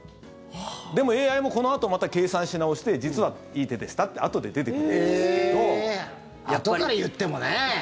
でも、ＡＩもこのあとまた計算し直して実は、いい手でしたってあとで出てくるんですけど。ＡＩだから。